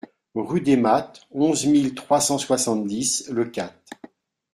Rue des Mattes, onze mille trois cent soixante-dix Leucate